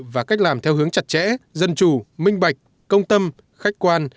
và cách làm theo hướng chặt chẽ dân chủ minh bạch công tâm khách quan